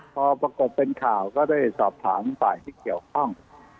พอปรากฏเป็นข่าวก็ได้สอบถามฝ่ายที่เกี่ยวข้อง